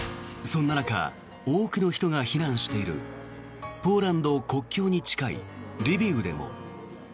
そんな中多くの人が避難しているポーランド国境に近いリビウでも。